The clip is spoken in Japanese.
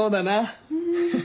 フフフ。